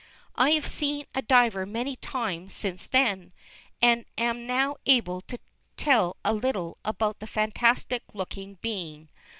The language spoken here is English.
I have seen a diver many times since then, and am now able to tell a little about the fantastic looking being.